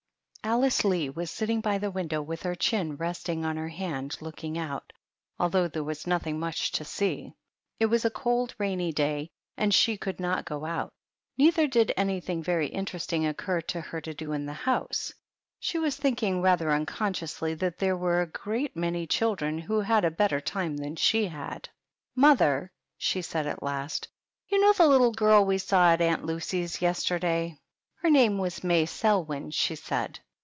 Alice Lee was sitting by the window with her chin resting on her hand looking out, al though there was nothing much to see. It was a cold, rainy day, and she could not go out; neither did anything very interesting occur to her to do in the house. She was thinking, rather unconsciously, that there were a great many children who had a better time than she had. "Mother," she said, at last, "you know the little girl we saw at Aunt Lucy's yesterday, — 9 PEGGY THE PIG. her name was May Selwyn, she said.